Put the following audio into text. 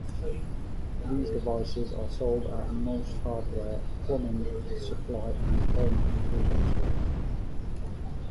These devices are sold at most hardware, plumbing supply, and home improvement stores.